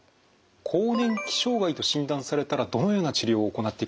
更年期障害と診断されたらどのような治療を行っていくんでしょう？